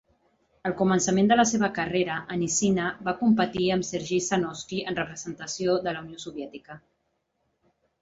Al començament de la seva carrera, Anissina va competir amb Sergei Sakhnovski, en representació de la Unió Soviètica.